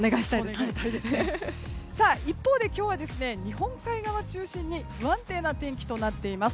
一方で今日は日本海側を中心に不安定な天気になっています。